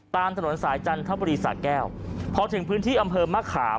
ตามถนนสายจันทบุรีสะแก้วพอถึงพื้นที่อำเภอมะขาม